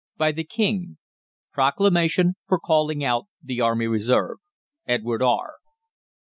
BY THE KING, PROCLAMATION FOR CALLING OUT THE ARMY RESERVE. EDWARD R.